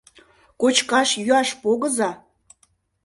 Кочкаш-йӱаш погыза!